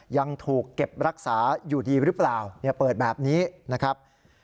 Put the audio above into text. ยังถูกเก็บรักษาอยู่ดีหรือเปล่าเปิดแบบนี้นะครับ